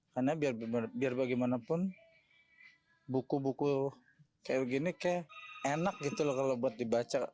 karena biar bagaimanapun buku buku kayak begini kayak enak gitu loh kalau buat dibaca